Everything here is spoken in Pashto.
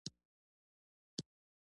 دا د هغوی حق دی.